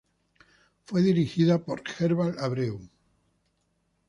Fue dirigida por Herval Abreu.